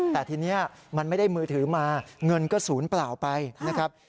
แต่ทีนี้มันไม่ได้มือถือมาเงินก็ศูนย์เปล่าไปนะครับ